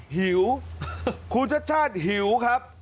หิวคุณชัดหิวครับ